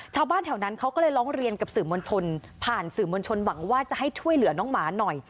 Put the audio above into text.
ชาวบ้านแถวนั้นเขาก็เลยร้องเรียนกับสื่อมวลชนผ่านสื่อมวลชนหวังว่าจะให้ช่วยเหลือน้องหมาหน่อย